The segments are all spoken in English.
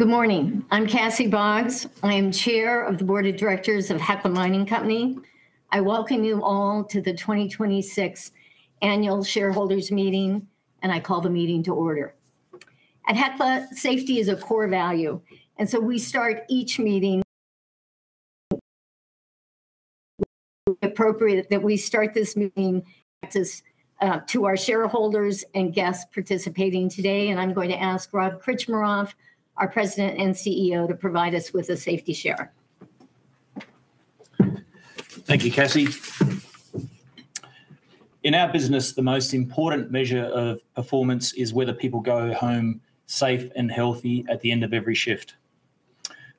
Good morning. I'm Cassie Boggs. I am Chair of the Board of Directors of Hecla Mining Company. I welcome you all to the 2026 Annual Shareholders Meeting. I call the meeting to order. At Hecla, safety is a core value. We start each meeting appropriate that we start this meeting to our shareholders and guests participating today. I'm going to ask Rob Krcmarov, our President and CEO, to provide us with a safety share. Thank you Cassie. In our business, the most important measure of performance is whether people go home safe and healthy at the end of every shift.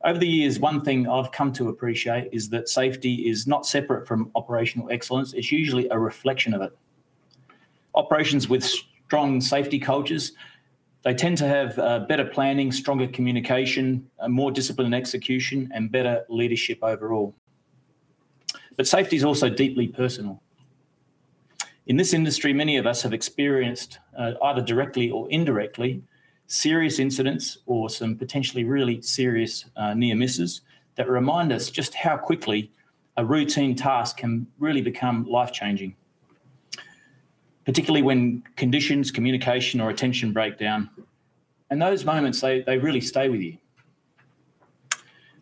Over the years, one thing I've come to appreciate is that safety is not separate from operational excellence. It's usually a reflection of it. Operations with strong safety cultures, they tend to have better planning, stronger communication, a more disciplined execution, and better leadership overall. Safety is also deeply personal. In this industry, many of us have experienced, either directly or indirectly, serious incidents or some potentially really serious near misses that remind us just how quickly a routine task can really become life-changing, particularly when conditions, communication, or attention break down. Those moments, they really stay with you.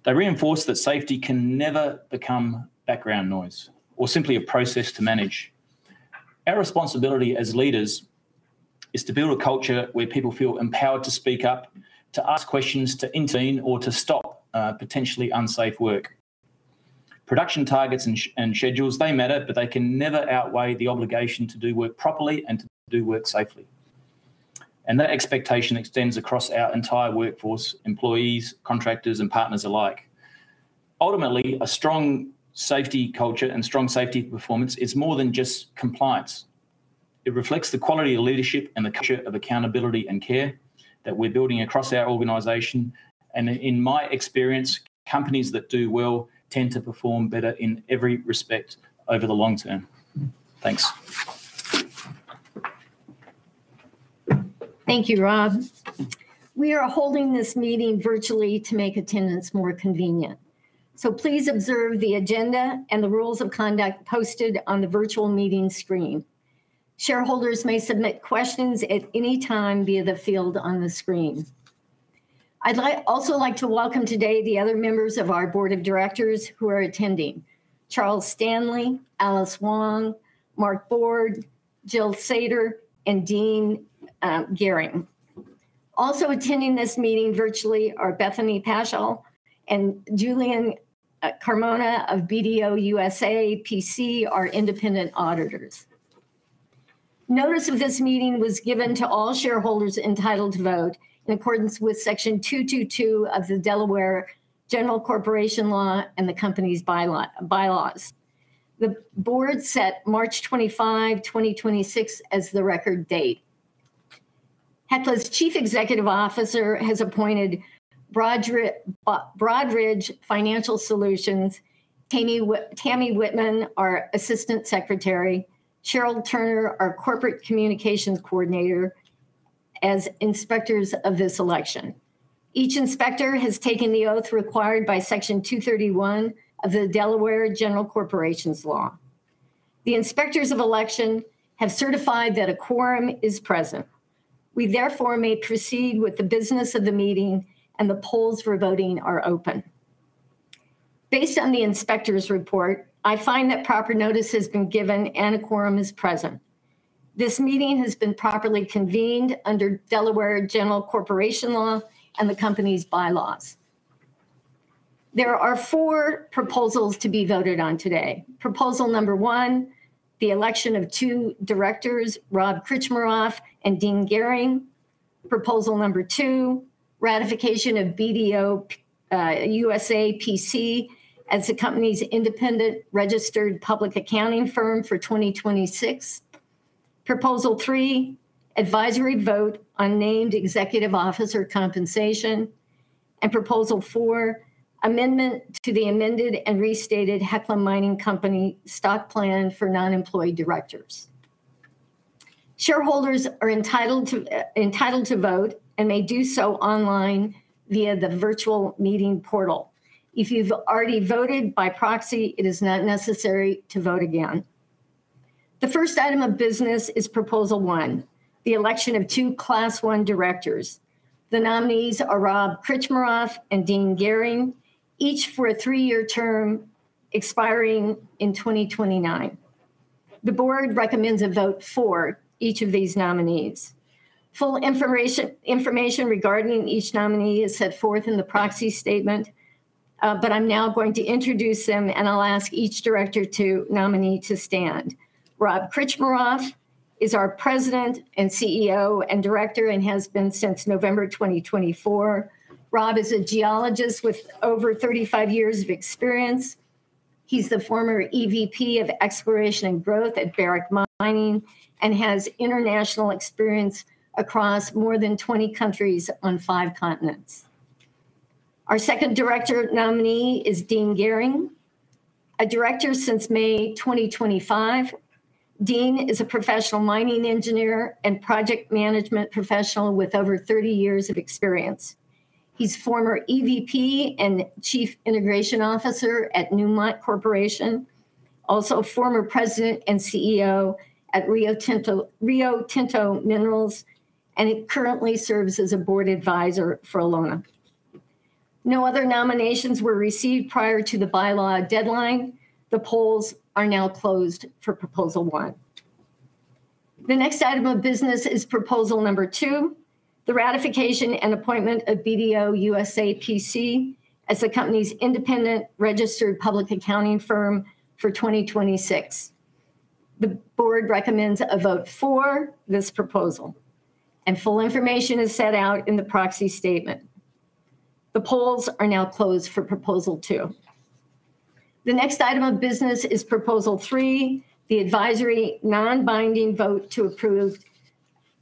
They reinforce that safety can never become background noise or simply a process to manage. Our responsibility as leaders is to build a culture where people feel empowered to speak up, to ask questions, to intervene, or to stop potentially unsafe work. Production targets and schedules, they matter, but they can never outweigh the obligation to do work properly and to do work safely. That expectation extends across our entire workforce, employees, contractors, and partners alike. Ultimately, a strong safety culture and strong safety performance is more than just compliance. It reflects the quality of leadership and the culture of accountability and care that we're building across our organization, and in my experience, companies that do well tend to perform better in every respect over the long term. Thanks. Thank you Rob. We are holding this meeting virtually to make attendance more convenient. Please observe the agenda and the rules of conduct posted on the virtual meeting screen. Shareholders may submit questions at any time via the field on the screen. I'd also like to welcome today the other members of our board of directors who are attending, Charles Stanley, Alice Wong, Mark Board, Jill Satre, and Dean Gehring. Also attending this meeting virtually are Bethany Paschal and Julian Carmona of BDO USA, P.C., our independent auditors. Notice of this meeting was given to all shareholders entitled to vote in accordance with Section 222 of the Delaware General Corporation Law and the company's by laws. The board set March 25th, 2026, as the record date. Hecla's Chief Executive Officer has appointed Broadridge Financial Solutions, Tammy Whitman, our Assistant Secretary, Cheryl Turner, our Corporate Communications Coordinator, as inspectors of this election. Each inspector has taken the oath required by Section 231 of the Delaware General Corporation Law. The Inspectors of Election have certified that a quorum is present. We therefore may proceed with the business of the meeting and the polls for voting are open. Based on the inspector's report, I find that proper notice has been given and a quorum is present. This meeting has been properly convened under Delaware General Corporation Law and the company's bylaws. There are four proposals to be voted on today. Proposal number one, the election of two directors, Rob Krcmarov and Dean Gehring. Proposal number two, ratification of BDO USA, P.C. as the company's independent registered public accounting firm for 2026. Proposal three, advisory vote on named executive officer compensation, and proposal four, amendment to the amended and restated Hecla Mining Company Stock Plan for Nonemployee Directors. Shareholders are entitled to vote and may do so online via the virtual meeting portal. If you've already voted by proxy, it is not necessary to vote again. The first item of business is Proposal one, the election of two Class one directors. The nominees are Rob Krcmarov and Dean Gehring, each for a 3-year term expiring in 2029. The board recommends a vote for each of these nominees. Full information regarding each nominee is set forth in the proxy statement, but I'm now going to introduce them and I'll ask each director nominee to stand. Rob Krcmarov is our President and CEO, and Director, and has been since November 2024. Rob is a geologist with over 35 years of experience. He's the former EVP of Exploration and Growth at Barrick Mining and has international experience across more than 20 countries on five continents. Our second director nominee is Dean Gehring. A director since May 2025, Dean is a professional mining engineer and project management professional with over 30 years of experience. He's former EVP and Chief Integration Officer at Newmont Corporation, also former President and CEO at Rio Tinto, and he currently serves as a board advisor for Allonnia. No other nominations were received prior to the bylaw deadline. The polls are now closed for proposal one. The next item of business is proposal number two, the ratification and appointment of BDO USA, P.C. as the company's independent registered public accounting firm for 2026. The board recommends a vote for this proposal, and full information is set out in the proxy statement. The polls are now closed for proposal two. The next item of business is proposal three, the advisory non-binding vote to approve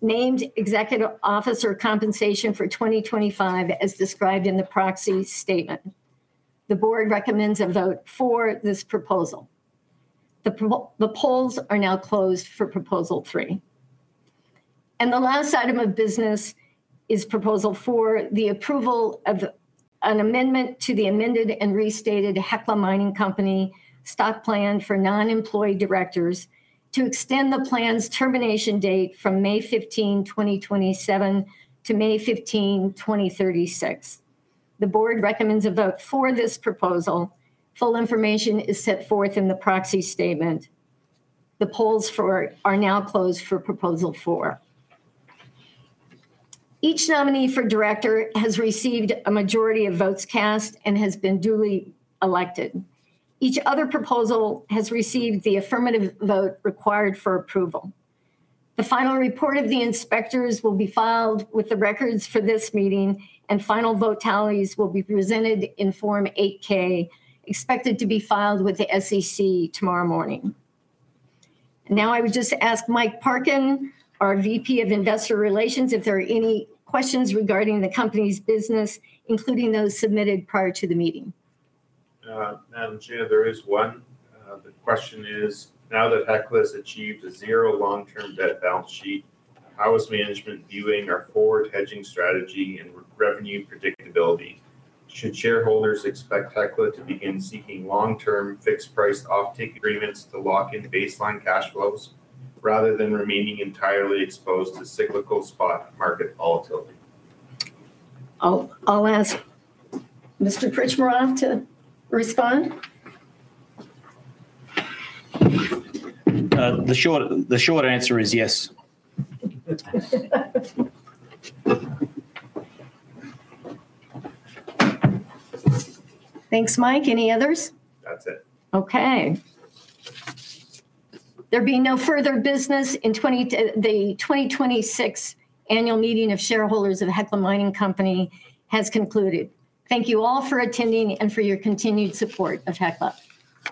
named executive officer compensation for 2025 as described in the proxy statement. The board recommends a vote for this proposal. The polls are now closed for proposal three. The last item of business is proposal four, the approval of an amendment to the amended and restated Hecla Mining Company Stock Plan for Nonemployee Directors to extend the plan's termination date from May 15th, 2027 to May 15th, 2036. The board recommends a vote for this proposal. Full information is set forth in the proxy statement. The polls are now closed for proposal 4. Each nominee for director has received a majority of votes cast and has been duly elected. Each other proposal has received the affirmative vote required for approval. The final report of the inspectors will be filed with the records for this meeting, and final vote tallies will be presented in Form 8-K, expected to be filed with the SEC tomorrow morning. I would just ask Mike Parkin, our VP of Investor Relations, if there are any questions regarding the company's business, including those submitted prior to the meeting. Madam Chair, there is one. The question is, now that Hecla has achieved a zero long-term debt balance sheet, how is management viewing our forward hedging strategy and revenue predictability? Should shareholders expect Hecla to begin seeking long-term fixed-price offtake agreements to lock in baseline cash flows rather than remaining entirely exposed to cyclical spot market volatility? I'll ask Mr. Krcmarov to respond. The short answer is yes. Thanks Mike. Any others? That's it. Okay. There being no further business, the 2026 annual meeting of shareholders of Hecla Mining Company has concluded. Thank you all for attending and for your continued support of Hecla.